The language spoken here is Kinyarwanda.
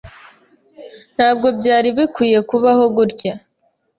Ntabwo byari bikwiye kubaho gutya.